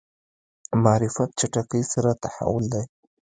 معرفت چټکۍ سره تحول دی.